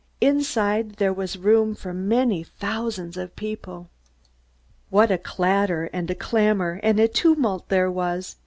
Inside there was room for many thousands of people. What a clatter and a clamor and a tumult there was!